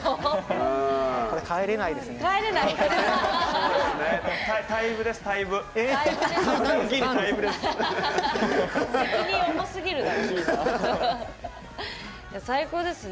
帰れないですね。